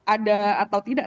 ada atau tidak